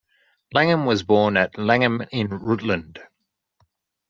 Langham was born at Langham in Rutland.